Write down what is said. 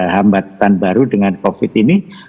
hambatan baru dengan covid ini